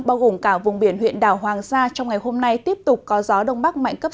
bao gồm cả vùng biển huyện đảo hoàng sa trong ngày hôm nay tiếp tục có gió đông bắc mạnh cấp sáu